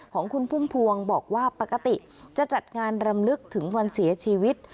ของคุณพุ่มพวงบอกว่าปกติจะจัดงานรำลึกถึงวันเสียชีวิต